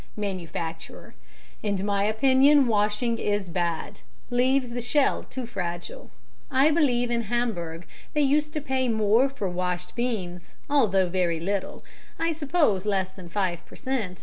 MANUFACTURER: In my opinion washing is bad, leaves the shell too fragile. I believe in Hamburg they used to pay more for washed beans; although very little, I suppose less than five per cent.